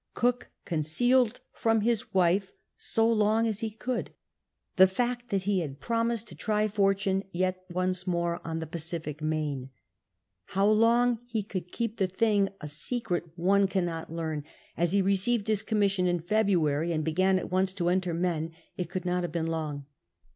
Cook concealed from his wife so long as he could the fact that he had promised to try fortune yet once more on the Pacific Main. Ilow long he could keep the thing a I 114 CAPTAIN COOJC CHAP. IX secret one cannot learn as he received his commission in February and began at once to enter men, it could not have been long.